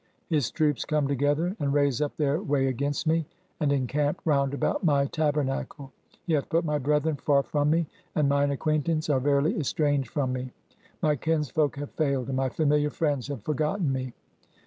His troops come together, and raise up their way against me, and encamp round about my tabernacle. He hath put my brethren far from me, and mine ac quaintance are verily estranged from me. '' My kinsfolk have failed, and my familiar friends have forgotten me."